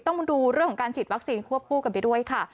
ต้องมาดูเรื่องของการฉีดวัคซีนควบคู่กันไปด้วยค่ะ